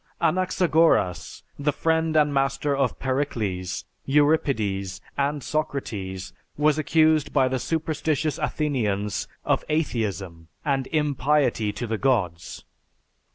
"_) Anaxagoras, the friend and master of Pericles, Euripides, and Socrates, was accused by the superstitious Athenians of atheism and impiety to the gods.